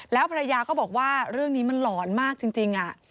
แล้วภรรยาก็บอกว่าเรื่องนี้มันหลอนมากจริง